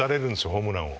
ホームランを。